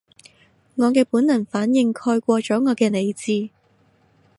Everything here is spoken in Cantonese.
我嘅本能反應蓋過咗我嘅理智